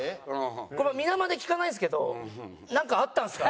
この皆まで聞かないんですけどなんかあったんですか？